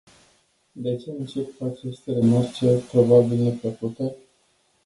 De ce încep cu aceste remarce, probabil neplăcute?